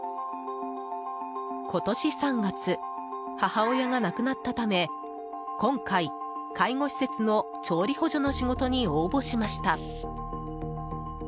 今年３月、母親が亡くなったため今回、介護施設の調理補助の仕事に応募しました。